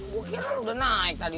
gue kira lo udah naik tadi